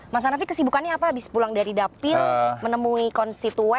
mas hanafi kesibukannya apa abis pulang dari dapil menemui konstituen